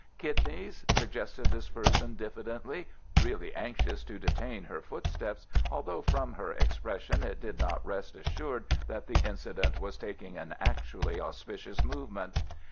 "Kidneys?" suggested this person diffidently, really anxious to detain her footsteps, although from her expression it did not rest assured that the incident was taking an actually auspicious movement.